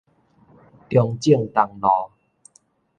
中正東路